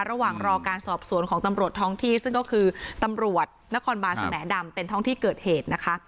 ระหว่างรอการสอบสวนของตำรวจท้องที่ซึ่งก็คือตำรวจนครบานสมดำเป็นท้องที่เกิดเหตุนะคะ